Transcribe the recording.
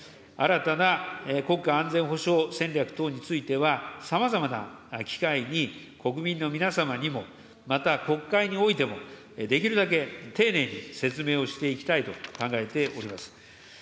新たな国家安全保障戦略等については、さまざまな機会に国民の皆様にも、また国会においても、できるだけ丁寧に説明をしていきたいと考えております。